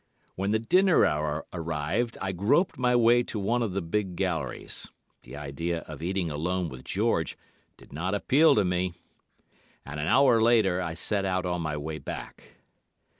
When the dinner hour arrived, I groped my way to one of the big galleries—the idea of eating alone with George did not appeal to me—and, an hour later, I set out on my way back.